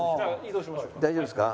大丈夫ですか？